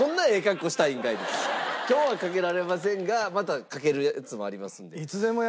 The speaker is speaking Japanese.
今日はかけられませんがまたかけるやつもありますんで。